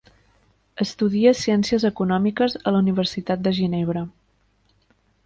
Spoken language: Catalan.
Estudia ciències econòmiques a la Universitat de Ginebra.